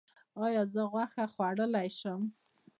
ایا زه غوښه خوړلی شم؟